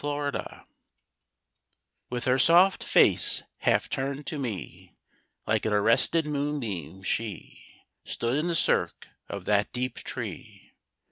NYMPH AND FAUN With her soft face half turned to me Like an arrested moonbeam, she Stood in the cirque of that deep tree.